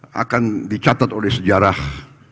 yang akan dicatat oleh sejarah